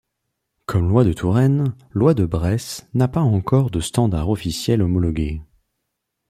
Comme l'oie de Touraine, l'oie de Bresse n'a pas encore de standard officiel homologué.